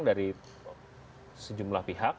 dari sejumlah pihak